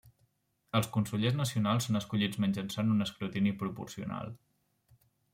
Els consellers nacionals són escollits mitjançant un escrutini proporcional.